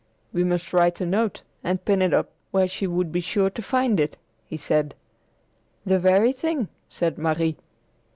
"We must write a note and pin it up where she would be sure to find it," he said. "The very thing," said Marie.